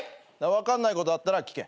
分かんないことあったら聞け。